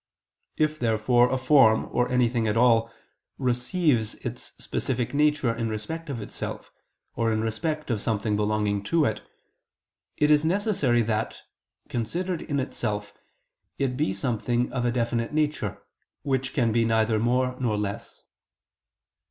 If, therefore, a form, or anything at all, receives its specific nature in respect of itself, or in respect of something belonging to it, it is necessary that, considered in itself, it be something of a definite nature, which can be neither more nor less.